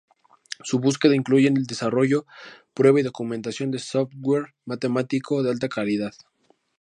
Su búsqueda incluye el desarrollo, prueba y documentación de software matemático de alta calidad.